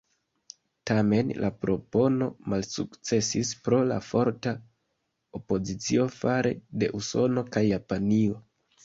Tamen, la propono malsukcesis pro la forta opozicio fare de Usono kaj Japanio.